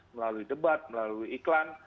melalui debat melalui iklan